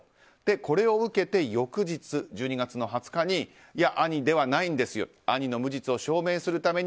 これを受けて、翌日１２月２０日に兄ではないんですよと兄の無実を証明するために